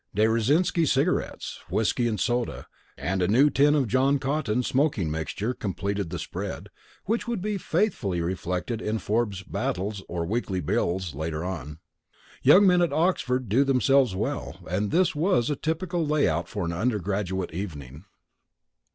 De Reszke cigarettes, whiskey and soda, and a new tin of John Cotton smoking mixture completed the spread which would be faithfully reflected in Forbes's "battels," or weekly bills, later on. Young men at Oxford do themselves well, and this was a typical lay out for an undergraduate evening.